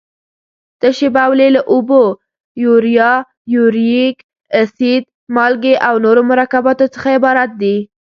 تشې بولې له اوبو، یوریا، یوریک اسید، مالګې او نورو مرکباتو څخه عبارت دي.